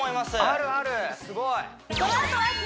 すごい！